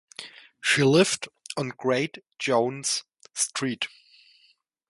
She lived on Great Jones Street.